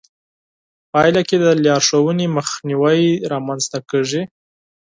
پايله کې د لارښوونې مخنيوی رامنځته کېږي.